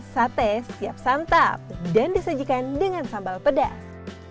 sate siap santap dan disajikan dengan sambal pedas